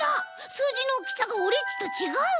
すうじのおおきさがオレっちとちがう！